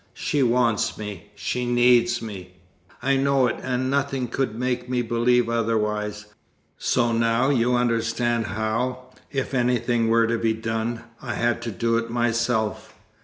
She wants me. She needs me. I know it, and nothing could make me believe otherwise. So now you understand how, if anything were to be done, I had to do it myself.